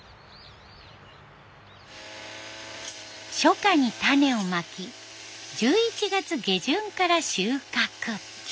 初夏に種をまき１１月下旬から収穫。